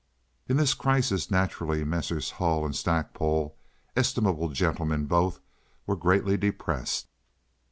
In this crisis naturally Messrs. Hull and Stackpole—estimable gentlemen both—were greatly depressed.